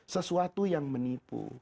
sesuatu yang menipu